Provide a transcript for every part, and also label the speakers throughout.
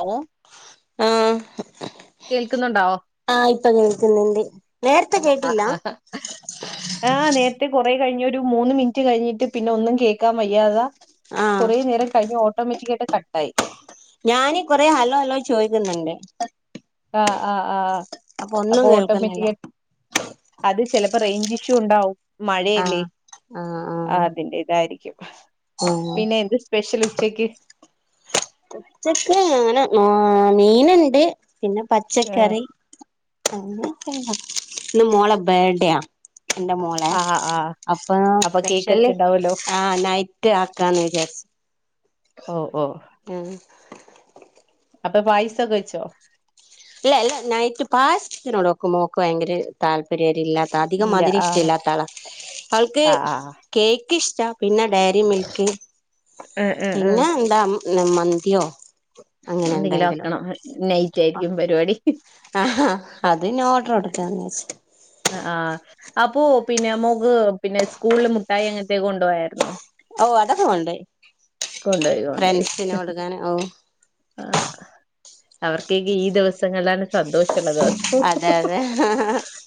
Speaker 1: Hello
Speaker 2: ആ
Speaker 1: കേൾക്കുന്നുണ്ടോ
Speaker 2: ആഹ് ഇപ്പൊ കേൾക്കുന്ന്ണ്ട് നേരത്തെ കേട്ടില്ല.
Speaker 1: ആഹ് നേരത്തെ കൊറെ കഴിഞൊ ഒരു മൂന്ന് മിനിറ്റ് കഴിഞ്ഞിട്ട് പിന്നെ ഒന്നും കേൾക്കാൻ വയ്യാതാ
Speaker 2: ആഹ്
Speaker 1: കുറേ നേരം കഴിഞ്ഞു ഓട്ടോമേറ്റിക്കായിട്ട് കട്ടായി
Speaker 2: ഞാന് കൊറെ ഹലോ ഹലോ ചോദിക്കുന്നുണ്ട്
Speaker 1: ആആ
Speaker 2: അപ്പൊ ഒന്നും
Speaker 1: ആഅപ്പൊ ഓട്ടോമേ റ്റി
Speaker 2: കേൾക്കുന്നില്ല
Speaker 1: ക് അത് ചലപ്പോ റേയ്ഞ്ചിഷു ഉണ്ടാവും
Speaker 2: ആഹ്
Speaker 1: മഴയല്ലേ
Speaker 2: ആഹ്
Speaker 1: ആ
Speaker 2: ആഹ്
Speaker 1: അതിന്റെതായിരിക്കും
Speaker 2: ആഹ്
Speaker 1: പിന്നെ എന്ത് സ്പെഷ്യൽ ഉച്ചക്ക്?
Speaker 2: ഉച്ചക്ക് അങ്ങനെ മീനുണ്ട് പിന്നെ
Speaker 1: ആഹ്
Speaker 2: പച്ചക്കറി ഇന്ന് മോളെ ബേർഡേയാ ഇന്റെ മോനെ
Speaker 1: ആഹ് ആഹ്
Speaker 2: അപ്പൊ
Speaker 1: കേക്കൊക്കെ
Speaker 2: സ്പെഷ്യല്
Speaker 1: ഉണ്ടാവല്ലോ
Speaker 2: ആ നൈറ്റ് ആക്കാന്ന് വിചാരിച്ച്.
Speaker 1: ഓ ഓ
Speaker 2: ഉം
Speaker 1: അപ്പൊ പായിസൊക്കെ വെച്ചോ?
Speaker 2: ഇല്ല അല്ല നൈറ്റ് പായ്സ് നോട്ക്കും മോക്ക് ഭയങ്കര താല്പര്യം ഇല്ലാത്ത- ആ അധികം
Speaker 1: ഇല്ല
Speaker 2: മതിരം ഇഷ്ട്ട
Speaker 1: ആഹ്
Speaker 2: ഇല്ലാത്ത ആളാ അവൾക്ക്
Speaker 1: ആഹ് ആഹ്
Speaker 2: കേക്ക് ഇഷ്ട്ട പിന്നെ ഡയരി മിൽക്ക്
Speaker 1: ആഹ് ആഹ് ആഹ്
Speaker 2: ഇന്ന് മന്തിയോ അങ്ങനെ
Speaker 1: എന്തെങ്കിലും
Speaker 2: എന്തെങ്കിലോ
Speaker 1: ആക്കണം നൈറ്റ് ആയിരിക്കും പരിപാടി
Speaker 2: അത് ഞ്ഞാ ഓഡറൊട്ത്ത് അന്യാസിക്ക
Speaker 1: അ ആ അപ്പൊ പിന്നെ മോക് പിന്നെ സ്കൂള്ല് മുഠായി അങ്ങനത്തെയക്കെ കൊണ്ടോയാരുന്നോ
Speaker 2: ഓ അതൊക്കെ കൊണ്ടേയ്
Speaker 1: കൊണ്ടോയി
Speaker 2: ഫ്രണ്ട്സിന് കൊടുക്കാന് ഓ
Speaker 1: ആ അവർക്കക്കേ ഈ ദിവസങ്ങളാണ് സന്തോഷള്ളത് അ ച്ചോ
Speaker 2: അതെ അതെ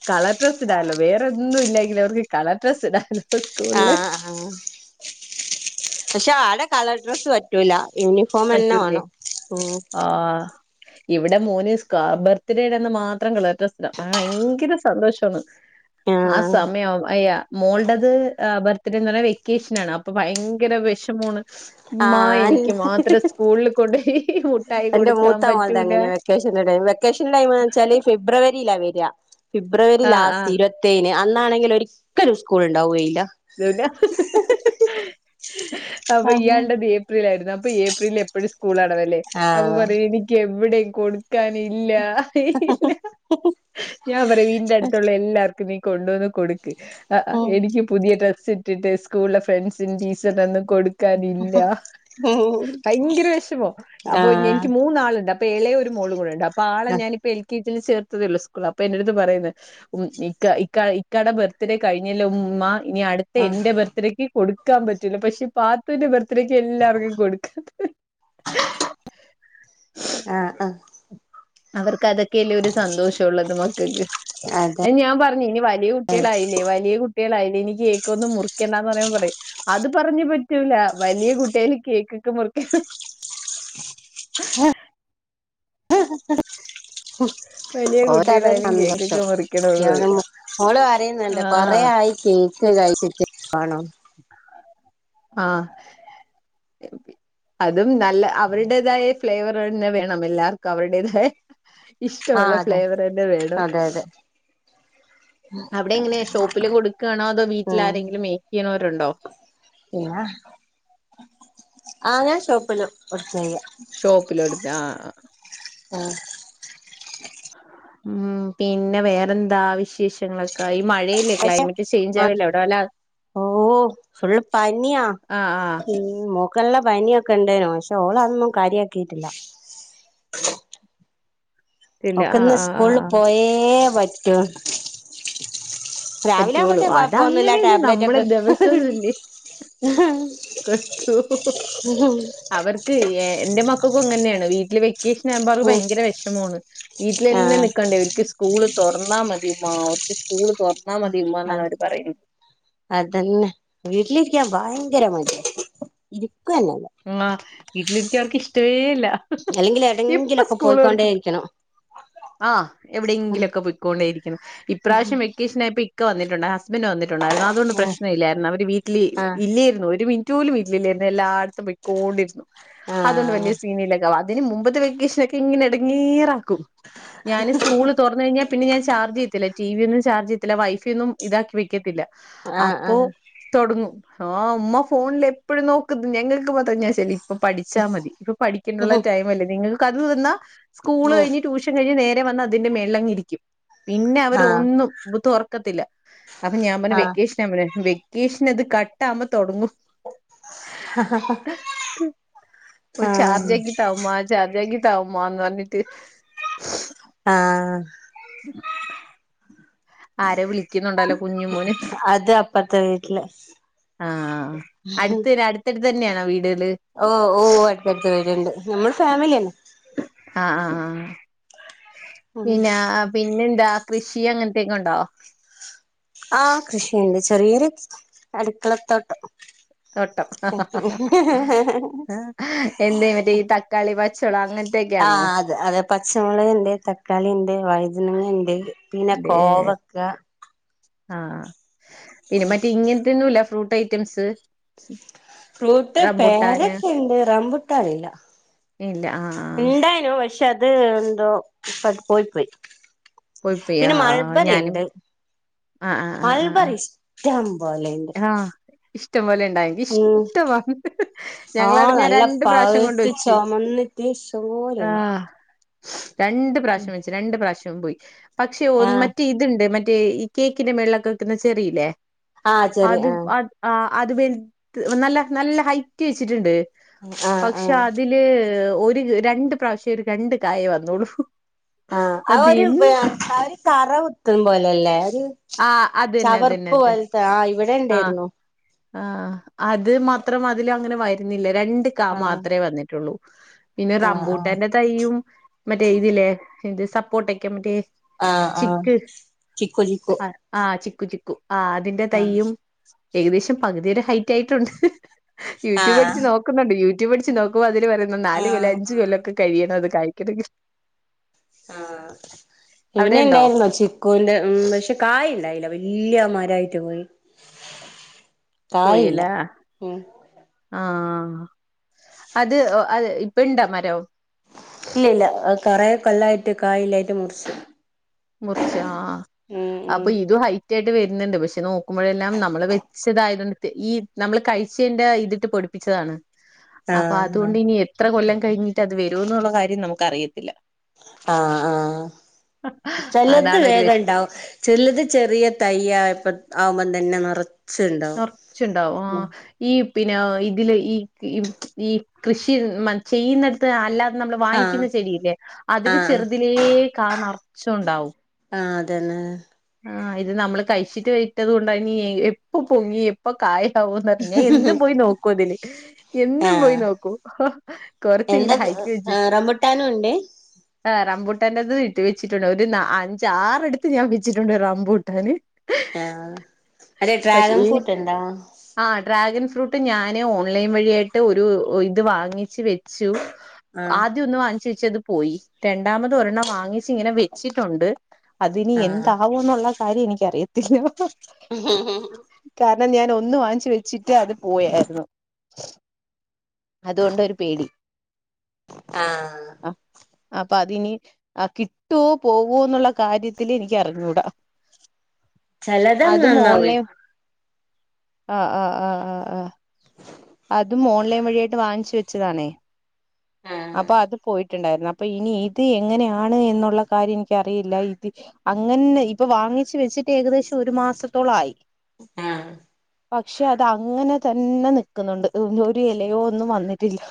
Speaker 1: കളർ ഡ്രസ്സ് ഇടാലോ വേറെ ഒന്നും ഇല്ലെങ്കില് അവർക്ക് കളർ ഡ്രസ്സ് ഇടാലോ
Speaker 2: ആ
Speaker 1: സ്കൂളില്
Speaker 2: ആ പക്ഷെ ആടെ കളർ ഡ്രസ്സ് പറ്റൂല ഇനി ഫോമന്നെ
Speaker 1: പറ്റൂലേ
Speaker 2: വാണം ഉം
Speaker 1: ആഹ് ഇവിടെ മോന് സ്ക ബർത്ത്ഡേടെന്ന് മാത്രം കളർ ഡ്രസ്സ്‌ട മോന് ഭയങ്കര സന്തോഷമാണ് ആ സമയം ആവും അയ്യ മോൾടത് ബർത്ത്ഡേന്നർഞ്ഞ വെക്കേഷനാണ് അപ് ഇപ്പൊ ഭയങ്കര വിഷമാണ്
Speaker 2: ആ
Speaker 1: ഉമ്മാ എനിക്ക് മാത്രം
Speaker 2: ആ
Speaker 1: സ്കൂളിൽ കൊണ്ടോയി മു
Speaker 2: എന്റെ മൂത്തമോൾത് അങ്ങനെയ വെക് വെക്കേഷന്റെ ടൈമ് വെക്കേഷന്റെ ടൈമ് വെച്ചാല് ഫെബ്രുവരിയില വര ഫെബ്രുവരി
Speaker 1: ആഹ് ആഹ്
Speaker 2: ലാസ്റ്റ് ഇരു വത് തേന് അന്നാണെങ്കില് ഒരിക്കലും സ്കൂൾ ഉണ്ടാവുകയില്ല
Speaker 1: അപ്പൊ
Speaker 2: അതെ
Speaker 1: ഇയാൾടെ ബേപ് ഏപ്രിലായിരുന്നു അപ്പൊ ഏപ്രിലിൽ എപ്പഴും സ്കൂൾ അടവല്ലേ അപ്പൊ
Speaker 2: ആഹ്
Speaker 1: പറയും എനിക് ക്ക് എവിടെയും കൊടുക്കാനില്ല ഏ യ് ഇല്ല ഞാൻ പറയും വീടിന്റെ അടുത്തുള്ള എല്ലാർക്കും നീ കൊണ്ടുവന്ന് കൊട് ആ എനിക്ക് പുതിയ ഡ്രസ്സ് ഇട്ടിട്ട് സ്കൂൾലെ ഫ്രണ്ട്സിന്റി സടന്ന് കൊട് കൊട്കാനില്ല
Speaker 2: ആഹ്
Speaker 1: ഭയങ്കര വെഷമം അപ്പൊ
Speaker 2: ആഹ്
Speaker 1: എനിക്ക് മൂന്നാള്ണ്ട് അപ് ഇപ്പൊ എളയ ഒരു മോളും കൂടെ ഉണ്ട് അപ്പ ആളെ ഞാനിപ്പോ എൽ കെ ജി ൽ ചേർത്തതേ ള്ളൂ സ്കൂള അപ്പൊ എൻറട്ത് പറയുന്നെ ഉം ഇക്ക ഇക്ക ഇക്കാടെ ബർത്ത്ഡേ കഴിഞ്ഞില്ലേ ഉമ്മ ഇനി അടുത്ത എന്റെ ബർത്ത് ഡേക്ക് കൊടുക്കാൻ പറ്റില്ല പക്ഷെ പാത്തൂന്റെ ബർത്ത്ഡേക്ക് എല്ലാവർക്കും കൊടുക്കാത്തെ
Speaker 2: ആഹ് ആഹ്
Speaker 1: അവർക്ക് അതൊക്കെയല്ലേ ഒരു സന്തോഷംഉള്ളൂ എന്റെ മക്കക്ക്
Speaker 2: അതെ
Speaker 1: ഞാൻ പറഞ്ഞു ഇനി വലിയ കുട്ട് കുട്ടികളായില്ലേ വലിയ കുട്ടികളായില്ലേ ഇനി കേക്കൊന്നും മുറിക്കണ്ടാന്ന് പറയുമ്പോപറിം അത് പറഞ്ഞ പറ്റൂല വലിയ കുട്ടിയാലും കേക്കൊക്കെ മുറിക്കണം
Speaker 2: ആഹ്
Speaker 1: വലിയ
Speaker 2: ഓലതൊര്
Speaker 1: കുട്ടികളായാലും കേക്കൊക്കെ
Speaker 2: സന്തോഷം
Speaker 1: മുറിക്കണംന്ന് പറയും
Speaker 2: [unintelligible] മോള്പറയുന്നുണ്ട് കൊറെ
Speaker 1: ആഹ്
Speaker 2: ആയി കേക്ക് കയ്ച്ച്ട്ട് വാണം
Speaker 1: ആഹ് അതും നല്ല അവരുടേതായ ഫ്ലേവർ തന്നെ വേണം എല്ലാവർക്കും അവരുടേതായ
Speaker 2: ആഹ്
Speaker 1: ഇഷ്ട്ടമുള്ള
Speaker 2: അതെ
Speaker 1: ഫ്ലേവർ തന്നെ വേണം
Speaker 2: അതെ അതെ
Speaker 1: അവിടെ എങ്ങനെയ ഷോപ്പില് കൊടുക്കാണോ അതോ വീട്ടിൽ ആരെങ്കിലും മേക്ക് ചെയ്യണവരുണ്ടോ
Speaker 2: പിന്നാ ആ ഞാൻ ഷോപ്പില് വർക്കെയ്യ
Speaker 1: ഷോപ്പിലട്ത്ത് ആ ആ
Speaker 2: ആഹ്
Speaker 1: ഉം പിന്നെ വേറെന്താ വിശേഷം റ്റങ്ങള് ക്കയി മഴയല്ലേ
Speaker 2: പക്ഷെ
Speaker 1: ക്ലൈമറ്റ് ചേഞ്ച് അവടെവെല്ല
Speaker 2: ഓഹ് ഫുള്ള് പനിയാ
Speaker 1: ആഹ് ആഹ്
Speaker 2: ഉം മോ ക്കോള്ള പനിയൊക്കെ ഇണ്ടേനു പക്ഷെ ഓളതൊന്നും കാര്യക്കിട്ടില്ല
Speaker 1: ത്തില്ല ആഹ്
Speaker 2: ഒക്കന്ന്
Speaker 1: ആഹ് ആഹ്
Speaker 2: സ്കൂളിൽ
Speaker 1: ആഹ്
Speaker 2: പോയേ പറ്റൂ രാവിലെ
Speaker 1: പറ്റുള്ളൂ
Speaker 2: ആവുമ്പഴത്തേ കൊഴപ്പൊന്നുംല്ല
Speaker 1: അതങ്ങനെയല്ലേ നമ്മളെ
Speaker 2: ടാബ്ലെറ്റോക്കെ
Speaker 1: ദിവസം ഇല്ലേ [unintelligible] അവർക്ക് എന്റെ മക്കക്കും ഇങ്ങന്നേണ് വീട്ടില് വെ വെക്കേഷനാവുമ്പം അവർക്ക് ഭയങ്കര വിഷമവാണ് വീട്ടിലന്നെ
Speaker 2: ആഹ്
Speaker 1: നിക്കണ്ടേ ഓരിക്ക് സ് സ്കൂള് തൊറന്നാ മതിയുമ്മാ ഒക്ക് സ്കൂള് തൊറന്നാ മതിയുമ്മ ന്നാണ്
Speaker 2: അത്
Speaker 1: അവര് പറയു
Speaker 2: അതന്നെ വീട്ടിലിരിക്കാൻ ഭയങ്കര മടിയാ ഇരിക്കന്നല്ല
Speaker 1: ആഹ് വീട്ടിലിരിക്ക അവർക്ക് ഇഷ്ടവേ ഇല്ല എപ്പ
Speaker 2: അല്ലെങ്കിലെടെങ്കിലൊക്കെ
Speaker 1: സ്കൂള് തുറക്കും
Speaker 2: പോയിയ്ക്കൊണ്ടേ ഇരിക്കണം
Speaker 1: ആഹ് എവടെയെങ്കിലൊക്കെ പോയ്ക്കൊണ്ടേരിക്കണം ഇപ്രാശ്യം വെക്കേഷനായപ്പോ ഇക്ക വന്നിട്ടോണ്ട് ഹസ്ബന്റ് വന്നിട്ടോണ്ടാരുന്നു അതുകൊണ്ട്
Speaker 2: ആഹ്
Speaker 1: പ്രശ്നംല്ലായിരുന്നു അവര് വീട്ടില്
Speaker 2: ആഹ്
Speaker 1: ഇല്ലെര്ന്നു ഒരു മി റ്റ് പോലും വീട്ടില്ലില്ലേ എല്ലാടത്തും പോയിക്കൊണ്ടിരുന്നു അതുകൊണ്ട്
Speaker 2: ആഹ്
Speaker 1: വല്യ സീനില്ല വാ അതിന് മുമ്പത്തെ വെക്കേഷനൊക്കെ ഇങ്ങനെ എടങ്ങേറാക്കും ഞാന് സ്കൂള് തൊറന്ന് കഴിഞ്ഞാ പിന്നെ ഞാൻ ചാർജ് ചെയ്ത്തില്ല ടി വി ഒന്നും ചാർജ് ചെയ്ത്തില്ല വൈഫൈയൊന്നും ഇതാക്കി വെക്കത്തില്ല
Speaker 2: ആഹ്
Speaker 1: അപ്പോ
Speaker 2: ആഹ്
Speaker 1: തൊടങ്ങു ആഹ് ഉമ്മ ഫോണിൽ എപ്പഴും നോക്കുന്നു ഞങ്ങൾക്ക് മാത്ര ഞാൻ [unintelligible] ഇപ്പോ പഠിച്ചാ മതി ഇപ്പോ പഠിക്കേണ്ടുള്ള
Speaker 2: ഉം
Speaker 1: ടൈം അല്ലേ നിങ്ങക്ക് അത് തന്നാ സ്കൂള്
Speaker 2: ഉം
Speaker 1: കഴിഞ്ഞ് ട്യൂഷൻ കഴിഞ്ഞ് നേരെ വന്ന് അതിന്റെ മേളിലങ്ങിരിക്കും പിന്നെ
Speaker 2: ആഹ്
Speaker 1: അവരോന്നും ബു തൊറക്കത്തില്ല അപ്പോ ഞാൻ പറഞ്ഞ്
Speaker 2: ആഹ്
Speaker 1: വെക്കേഷ നമ്പഴെ വെക്കേഷൻ അത് കട്ടവുമ്പ തൊടങ്ങും
Speaker 2: [inaudible] ആഹ്
Speaker 1: ചാർജാക്കി താവുമ്മാ ചാർജാക്കി താവുമ്മ ന്ന് പറഞ്ഞിട്ട്
Speaker 2: ആഹ്
Speaker 1: [inaudible] ആരെ വിളിക്കുന്നുണ്ടല്ലോ കുഞ്ഞും മോന്
Speaker 2: അത് അപ്പറത്തെ വീട്ടില്
Speaker 1: ആഹ് അടുത്ത അടുത്തടുത്തന്നെയാണോ വീടുകള്
Speaker 2: ഓഹ് ഓഹ് ഓഹ് അടുത്തടുത്ത് വീട്ണ്ട് നമ്മള് ഫാമിലി അന്നെ
Speaker 1: ആഹ് ആഹ്
Speaker 2: ഉം
Speaker 1: പിന്നെ പിന്നെന്താ കൃഷി അങ്ങനത്തെക്കെ ഒണ്ടോ
Speaker 2: ആഹ് കൃഷിയ്ണ്ട് ചെറിയൊര് അടുക്കളത്തോട്ടം
Speaker 1: ത്തോട്ടം ആഹ് എന്തേ മറ്റേ ഈ തക്കാളി പച്ചോളക്
Speaker 2: ആ
Speaker 1: അങ്ങനത്തെക്കെയാണോ?
Speaker 2: അതെ അതെ പച്ചമോളകൊണ്ട് തക്കാളിയിണ്ട് വൈതനങ്ങയിണ്ട്
Speaker 1: ആഹ് പിന്നെ മറ്റേ ഇങ്ങനത്തൊന്നുംല്ല ഫ്രൂട്ട റ്റംസ്
Speaker 2: ഫ്രൂട്ട് പേരക്കണ്ട് റംമ്പുട്ടന്നില്ല
Speaker 1: ഇല്ല ആ ആ
Speaker 2: ഇണ്ടാനു പഷേ അത് എന്തോ പോയ് പോയി
Speaker 1: പോയി പോയി ആ
Speaker 2: പിന്നെ
Speaker 1: ഞാനും
Speaker 2: മൾബറിണ്ട്
Speaker 1: ആ ആ ആ ആ ആ
Speaker 2: മൾബറി ഇഷ്ടം പോലെയ്ണ്ട്
Speaker 1: ആഹ് ഇഷ്ടം പോലെയ്ണ്ടായി ഇഷ്ടവാ
Speaker 2: ആ
Speaker 1: ഞങ്ങളട്ന്ന് ഞാ
Speaker 2: നല്ല
Speaker 1: രണ്ട് പ്രാശ്യം കൊണ്ട്
Speaker 2: പഴുത്ത്
Speaker 1: വെച്ച് ആഹ്
Speaker 2: [unintelligible]
Speaker 1: രണ്ട് പ്രാശ്യം വെച്ച് രണ്ട് പ്രാശ്യോം പോയി പക്ഷേ ഒ
Speaker 2: ആ
Speaker 1: മറ്റേ ഇതിണ്ട് മറ്റേ ഈ കേക്കിന്റെ മേളിലൊക്കെ വെക്ക്‌ന്നാ ചെറീല്ലേ
Speaker 2: ആ
Speaker 1: അത്
Speaker 2: ചെറിയ ആ
Speaker 1: അ ആഹ് അത് വെൽ ത് നല്ല നല്ല ഹൈറ്റ് വെച്ചിട്ടിണ്ട്
Speaker 2: ആഹ്
Speaker 1: പക്ഷെ
Speaker 2: ആഹ്
Speaker 1: അതില് ഒരു രണ്ട് പ്രാവശ്യം ഒരു രണ്ട് കായേ വന്നൊള്ളു
Speaker 2: ആഹ് അവ ഒരു വ ആഹ് ഒരു കറ കുത്തു പോലല്ലേ ഒരു
Speaker 1: ആഹ് അതന്നെ
Speaker 2: ചവർപ്പ്
Speaker 1: അതന്നെ അതന്നെ
Speaker 2: പോൽത്തെ ആഹ്
Speaker 1: ആഹ്
Speaker 2: ഇവിടെണ്ടേര്ന്നു
Speaker 1: ആഹ് അത് മാത്രം അതില് അങ്ങനെ വര്ന്നില്ല രണ്ട് കാ
Speaker 2: ആഹ്
Speaker 1: മാത്രേ വന്നിട്ടൊള്ളൂ പിന്നെ
Speaker 2: ആഹ് ആഹ്
Speaker 1: റമ്പൂട്ടേന്റെ തൈയും മറ്റേ ഇതില്ലേ ഇത് സപ്പോർട്ടെക്കെ മറ്റേ
Speaker 2: ആഹ് ആഹ്
Speaker 1: ചിക്ക്
Speaker 2: ചിക്കു ചിക്കു
Speaker 1: ആഹ് ആഹ് ചിക്കു ചിക്കു ആഹ് അതിന്റെ
Speaker 2: ആഹ്
Speaker 1: തയ്യും ഏകദേശം പകുതീടെ ഹൈ റ്റായ്ട്ടുണ്ട് യൂട്യൂബ്
Speaker 2: ആഹ്
Speaker 1: അടിച്ച് നോക്കുന്നുണ്ട് യൂട്യൂബ് അടിച്ച് നോക്കുമ്പ അതിന് പറ നാല് കൊല്ല
Speaker 2: ആഹ്
Speaker 1: അഞ്ചു കൊല്ല
Speaker 2: ആഹ്
Speaker 1: ഒക്കെ കഴിയണം അത് കായ്ക്കണെങ്കി
Speaker 2: ആഹ് ഇവിനെ
Speaker 1: അവിടെണ്ടോ
Speaker 2: ഇണ്ടായിര്ന്നോ ചിക്കൂന്റെ ഉം പഷെ കായി ഇണ്ടായ്ല വെല്ല്യെ മരായിട്ട് പോയി
Speaker 1: പോയില
Speaker 2: കായില്ല ഉം
Speaker 1: ആഹ് അത് അത് ഇപ്പ ഇണ്ട മരൊ
Speaker 2: ഇല്ലില്ല കൊറേ കൊല്ലായിട്ട് കായല്ലായിട്ട് മുറിച്ച്
Speaker 1: മുർചോ ആഹ്
Speaker 2: ഉം ഉം
Speaker 1: അപ്പ ഇതു ഹൈറ്റ് ആയിട്ട് വര്ന്ണ്ട് പക്ഷെ നോക്കുമ്പഴെല്ലാം നമ്മള് വെച്ചിതായ്ത് ഈ നമ്മള് കഴിച്ചേന്റെ ഇതിട്ട് പൊടിപ്പിച്ചതാണ് അപ്പ
Speaker 2: ആഹ്
Speaker 1: അതൊണ്ട് ഇനി എത്ര കൊല്ലം കഴിഞ്ഞിട്ട് അത് വരൂന്നുള്ള കാര്യം നമുക്ക് അറിയത്തില്ല
Speaker 2: ആഹ് ആഹ് ചെലത്
Speaker 1: അതാണ് ഒരു
Speaker 2: വേഗ
Speaker 1: വിഷ
Speaker 2: ണ്ടവും ചെല്ലെത് ചെറിയ തയ്യായപ ആവുമ്പന്തന്നെ നറ
Speaker 1: നർച്ച്ണ്ടാവ് ആഹ് ഈ പിന്നെ ഇതില് ഈ ഈ ഈ കൃഷി മ ചെയ്യുന്നെട ത്തെ അല്ലാതെ നമ്മൾ
Speaker 2: ആഹ്
Speaker 1: വാങ്ങിക്കിന്ന ചെടില്ലേ അതില്
Speaker 2: ആഹ്
Speaker 1: ചെറ്തിലേ കാ നർച്ചുണ്ടാവും
Speaker 2: ആഹ് അതെന്നെ
Speaker 1: ആഹ് ഇത് നമ്മള് കഴിച്ചിട്ട് വറ്റത് കൊണ്ടയ്നീ എപ്പൊ പൊങ്ങി പ്പൊ കായാവോന്നർഞ്ഞാ ഞാൻ എന്നും പോയി നോക്കു അതില് എന്നും
Speaker 2: ആഹ്
Speaker 1: പോയി നോക്കൂ കൊർച്ചെങ്കിലും ഹൈക്ക് വെച്ച്
Speaker 2: ട്ടാനു ഒണ്ടേ
Speaker 1: ഏഹ് റബൂട്ടാന്റെത് ഇട്ട് വെച്ചിട്ടുണ്ട് ഒരു ന അഞ്ചാറ് അട്ത്ത് ഞാൻ വെച്ചിട്ടൊണ്ട് റംബൂട്ടന്
Speaker 2: ആഹ് അതെ ഡ്രാഗൺ
Speaker 1: ഈ
Speaker 2: ഫ്രൂട്ട് ണ്ടാ
Speaker 1: ആഹ് ഡ്രാഗൺ ഫ്രൂട്ട് ഞാന് ഓൺലൈൻ വഴിയായിട്ട് ഒരു ഇത് വാങ്ങിച്ച് വെച്ചു
Speaker 2: ആഹ്
Speaker 1: ആദ്യം ഒന്ന് വാങ്ങിച്ച് വച്ച് അത് പോയി രണ്ടാമത് ഒരണ്ണം വാങ്ങിച്ച് ഇങ്ങനെ വെച്ചിട്ടൊണ്ട് അതിനി
Speaker 2: ആഹ്
Speaker 1: എന്താവോന്നൊള്ള കാര്യം എനിക്കറിയത്തില്ല കാരണം ഞാൻ ഒന്ന് വാങ്ങിച്ച് വെച്ചിട്ട് അത് പോയാര്ന്നു അതോണ്ടൊരു പേടി
Speaker 2: ആഹ്
Speaker 1: അപ് അപ്പൊ അതിനി ആഹ് കിട്ട്വോ പോവോന്നൊള്ള കാര്യത്തില് എനിക്ക് അറിഞ്ഞൂടാ
Speaker 2: ചിലതങ്ങ്
Speaker 1: അതും
Speaker 2: നന്നാവും
Speaker 1: ഓൺലൈ ആഹ് ആഹ് ആഹ് ആഹ് ആഹ് അതും ഓൺലൈൻ വഴിയായ്ട്ട് വാങ്ങിച്ച് വെച്ചതാണേ
Speaker 2: ആഹ്
Speaker 1: അപ്പൊ അത് പോയിട്ടിണ്ടാര്ന്ന് അപ്പൊ ഇനി ഇത് എങ്ങനെയാണ് എന്നൊള്ള കാര്യം എനിക്കറിയില്ല ഇത് അങ്ങന്നെ ഇപ്പൊ വാങ്ങിച്ച് വെച്ചിട്ട് ഏകദേശം ഒരു മാസത്തോളായി
Speaker 2: മ്
Speaker 1: പക്ഷെ അത് അങ്ങനെ തന്നെ നിക്കുന്നൊണ്ട് ഇത് ഒന്ന് ഒരു എലയോ ഒന്നും വന്നിട്ടില്ല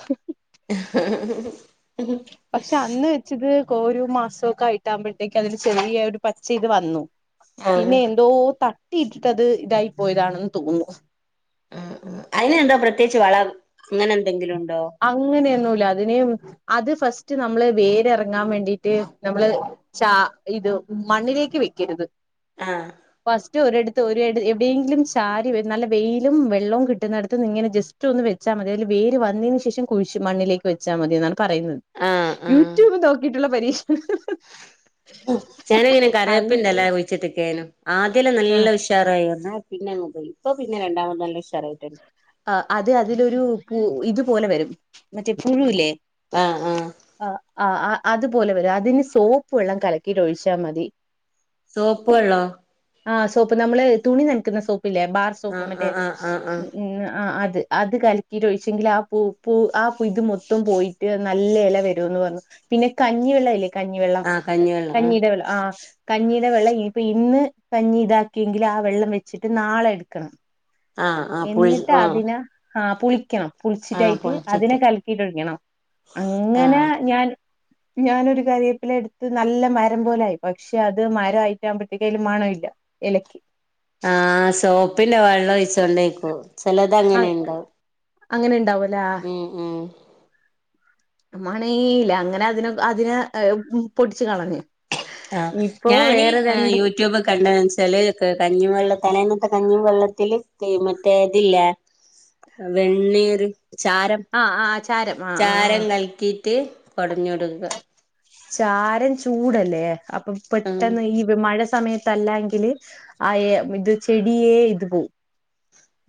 Speaker 1: പക്ഷെ അന്ന് വെ ച്ചത് കോരു മാസോക്കായിട്ടാകുമ്പഴത്തേക്തില് ചെറിയ ഒരു പച്ച ഇത് വന്നു
Speaker 2: ആഹ്
Speaker 1: പിന്നെ എന്തോ തട്ടിയിട്ടിട്ടത് ഇതായി പോയതാണെന്ന് തോന്നുന്നു
Speaker 2: അഹ് അഹ് അയിനെന്താ പ്രത്യേകിച്ച് വളം അങ്ങനെന്തെങ്കിലും ഉണ്ടോ
Speaker 1: അങ്ങനെയൊന്നുല്ല അതിന് അത് ഫസ്റ്റ് നമ്മള് വേരെറങ്ങാൻ വേണ്ടീട്ട് നമ്മള് ചാ ഇത് മണ്ണിലേക്ക് വെയ്ക്കരുത്
Speaker 2: ആഹ്
Speaker 1: ഫസ്റ്റ് ഒരിടത്ത് ഒരു എട് എവിടെങ്കിലും ചാരി വെ നല്ല വെയിലും വെള്ളവും കിട്ടുന്നിടത്തന്നിങ്ങനെ ജസ് റ്റൊന്ന് വെച്ചാ മതി അതില് വേര് വന്നതിന് ശേ ശേഷം കുഴിച്ച് മണ്ണിലേക്ക് വെച്ചാ മതിന്നാണ് പറയുന്നത്
Speaker 2: ആഹ് ആഹ്
Speaker 1: യൂട്യൂബ് നോക്കിട്ടുള്ള പരീക്ഷണം
Speaker 2: ഞാനങ്ങനെ കറിവേപ്പിന്റെല്ല കുഴിച്ചിട്ടെക്കേനു ആദ്യെല്ലാം
Speaker 1: ആ
Speaker 2: നല്ല ഉഷ് ഷാറായി വന്നു പിന്നങ്ങ് പോയി ഇപ്പൊ പിന്നെ രണ്ടാമത് നല്ല ഉഷാറായിട്ടോണ്ട്
Speaker 1: ആഹ് അത് അതിലൊരു പു ഇതുപോലെ വരും മറ്റേ പുഴുവില്ലേ
Speaker 2: ആഹ് ആഹ്
Speaker 1: ആഹ് ആഹ് ആഹ് അതുപോലെ വരും അതിന് സോപ്പ് വെള്ളം കലക്കിട്ട് ഒഴിച്ചാമതി
Speaker 2: സോപ്പ് വെള്ളോ
Speaker 1: ആഹ് സോപ്പ് നമ്മള് തുണി നനക്കുന്ന സോപ്പില്ലേ ബാർ സോപ്പ്
Speaker 2: ആഹ്
Speaker 1: മറ്റേ
Speaker 2: ആഹ് ആഹ് ആഹ് ആഹ്
Speaker 1: ഉം ഉം ആഹ് അത് അത് കലക്കിട്ട് ഒഴിച്ചെങ്കിലാ പൂ പൂ ആ പു ഇത് മൊത്തം പോയി ട്ട് നല്ല എല വരൂന്ന് പറഞ്ഞു പിന്നെ കഞ്ഞിവെള്ളയില്ലേ കഞ്ഞിവെള്ളം
Speaker 2: ആഹ് കഞ്ഞിവെള്ളം ആഹ്
Speaker 1: കഞ്ഞീടെ വെള്ളം ആഹ് കഞ്ഞിയുടെ വെള്ളം ഇനിപ്പ ഇന്ന് കഞ്ഞി ഇതാക്കിയെങ്കില് ആ വെള്ളം വെച്ചിട്ട് നാളെ എടുക്കണം
Speaker 2: ആഹ് ആഹ് പുളി
Speaker 1: എന്നിട്ട്
Speaker 2: ആഹ്
Speaker 1: അതിന് ആഹ് പുളിക്കണം
Speaker 2: ആഹ്
Speaker 1: പുളിച്ചിട്ടായിട്ട് അതിനെ
Speaker 2: പൊളിച്ചിട്ട്
Speaker 1: കലക്കിട്ടൊഴിക്കണം അങ്ങനെ
Speaker 2: ആഹ്
Speaker 1: ഞാൻ ഞാനൊരു കരേപ്പില എടുത്ത് നല്ല മരം പോലായി പക്ഷെ അത് മരായിട്ടാകുമ്പഴത്തേക്ക് അതിന് മണം ഇല്ല എ
Speaker 2: ആഹ് സോപ്പിന്റെ വെള്ളം ഒഴിച്ചോണ്ടേക്കോ
Speaker 1: അ
Speaker 2: ച്ചെലതങ്ങനെണ്ടാവും
Speaker 1: അങ്ങനെ ഉണ്ടാവൂലേ
Speaker 2: ഉം ഉം
Speaker 1: മണേല്ല അങ്ങനെ അതിനെ എ പൊട്ടിച്ചു കളഞ്ഞു ഇപ്പോ വേറെ രണ്ട്
Speaker 2: യൂട്യൂബ കണ്ടന്ന് വെച്ചാല് ക കഞ്ഞി വെള്ളത്തില് തലേന്നത്തെ കഞ്ഞിവെള്ളത്തില് മറ്റേ ഇതില്ലെ വെണ്ണീര് ചാരം
Speaker 1: ആഹ് ആഹ് ചാരം ആഹ്
Speaker 2: ചാരം
Speaker 1: ആഹ്
Speaker 2: കലക്കിട്ട് പടഞ്ഞൊടുക്ക
Speaker 1: ചാരം ചൂടല്ലേ അപ്പൊ
Speaker 2: ആഹ്
Speaker 1: പെട്ടെന്ന് ഈ പ്പം മഴ സമയത്തല്ലങ്കില് ആഹ് എ ഇത് ചെടിയേ ഇത് പോവും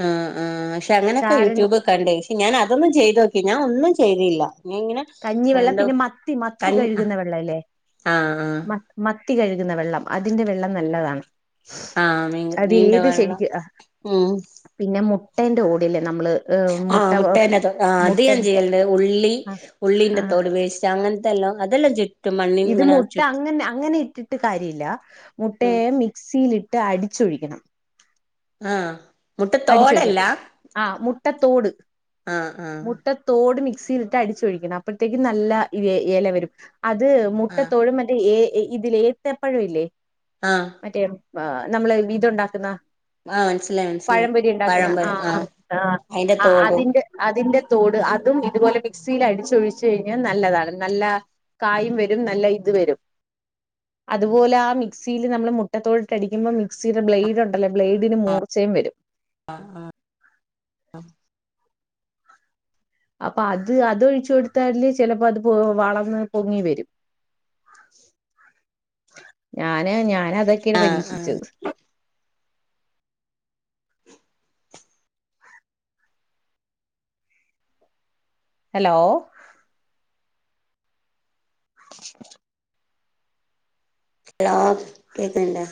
Speaker 2: ആഹ് ആഹ് പക്ഷെ അങ്ങനെക്കെ
Speaker 1: ചാരൻ
Speaker 2: യൂട്യൂബ് കണ്ടേ പക്ഷെ ഞൻ അതൊന്നും ചെയ്ത് നോക്കി ഞാൻ ഒന്നും ചെയ്തില്ല ഞാൻ ഇങ്ങനെ
Speaker 1: കഞ്ഞിവെള്ളം
Speaker 2: എന്തോ
Speaker 1: പിന്നെ മത്തി മത്തി
Speaker 2: കൻ ആഹ്
Speaker 1: കഴുകുന്ന വെള്ളയില്ലേ
Speaker 2: ആഹ്
Speaker 1: മ മത്തി കഴുകുന്ന വെള്ളം അതിന്റെ വെള്ളം നല്ലതാണ്
Speaker 2: ആഹ് മീ
Speaker 1: അത്
Speaker 2: മീന്റെ
Speaker 1: ഏത്
Speaker 2: വെള്ളം
Speaker 1: ചെടിക്ക് ആ
Speaker 2: ഉം
Speaker 1: പിന്നെ മുട്ടേന്റെ ഓടില്ലേ നമ്മക്ക്
Speaker 2: ആഹ് മുട്ടേന്റെ തോട് ആഹ് അത് ഞാൻ ചെയ്യലണ്ട് ഉള്ളി
Speaker 1: ആ ആ
Speaker 2: ഉള്ളീന്റെ തോട് വേസ്റ്റ് അങ്ങനത്തെല്ലാം അതെല്ലാം ചെയ്
Speaker 1: ഇത് മുട്ട അങ്ങനെ അങ്ങനെ ഇട്ടിട്ട് കാര്യല്ല
Speaker 2: ഉം
Speaker 1: മുട്ടയെ മിക്സിയിലിട് എന്നിട്ട് അടിച്ചൊഴിക്കണം
Speaker 2: ആഹ് മുട്ടത്തോടല്ല
Speaker 1: അടിച്ചൊഴിക്കണം ആഹ് മുട്ടത്തോട്
Speaker 2: ആഹ് ആഹ്
Speaker 1: മുട്ട തോട് മിക്സിയിലിട്ട് അടിച്ചൊഴിക്കണം അപ്പഴത്തേക്ക് നല്ല ഇവേ ഇല വരും അത്
Speaker 2: ആഹ്
Speaker 1: മുട്ടത്തോഴും മറ്റേ ഏഹ് ഇതില്ലേ ഏത്തപ്പഴം ഇല്ലേ
Speaker 2: ആഹ്
Speaker 1: മറ്റേ നമ്മള് [unintelligible] ഉണ്ടാക്കുന്ന
Speaker 2: ആഹ് മനസ്സിലായി മനസ്സിലായി
Speaker 1: പഴംപൊരി ഉണ്ടാക്കുന്ന
Speaker 2: പഴം പോലെ
Speaker 1: ആഹ് ആഹ്
Speaker 2: അയിന്റെ തോടും
Speaker 1: അതിന്റെ അതിന്റെ തോട് അതും ഇതുപോലെ മിക്സിയിൽ അടിച്ചൊഴിച്ചു കഴിഞ്ഞാൽ നല്ലതാണ് നല്ല കായും വരും നല്ല ഇത് വരും അതുപോലെ ആ മിക്സിയില് നമ്മള് മുട്ടത്തോട്ട് ഇട്ട് അടിക്കുമ്പോ മിക്സിയുടെ ബ്ലേഡ് ഉണ്ടല്ലോ ബ്ലേഡിന്
Speaker 2: ആഹ്
Speaker 1: മൂർച്ചയും വരും
Speaker 2: [unintelligible]
Speaker 1: അപ്പൊ അത് അതൊഴിച്ചു കൊടുത്താല് ചിലപ്പോ അത് വളർന്ന് പൊങ്ങി വരും ഞാന് ഞാനതൊക്കെയാണ്
Speaker 2: ആഹ്
Speaker 1: പരീക്ഷിച്ചത്
Speaker 2: ആഹ്
Speaker 1: ഹലോ [inaudible]
Speaker 2: ഹലോ കേക്കണില്ലേ